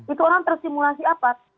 itu orang tersimulasi apa